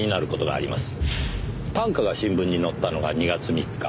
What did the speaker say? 短歌が新聞に載ったのが２月３日。